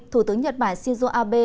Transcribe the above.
thủ tướng nhật bản shinzo abe